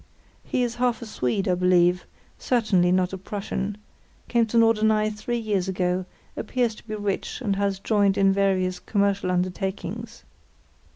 He is half a Swede, I believe, certainly not a Prussian; came to Norderney three years ago, appears to be rich, and has joined in various commercial undertakings.